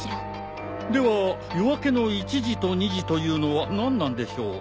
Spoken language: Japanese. では夜明けの１時と２時というのは何なんでしょう？